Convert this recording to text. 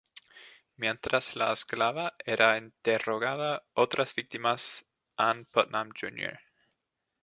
Mientras la esclava era interrogada, otras víctimas, Ann Putnam, Jr.